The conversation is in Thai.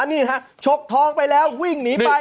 นี่ฮะชกทองไปแล้ววิ่งหนีไป